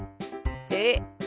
えっ？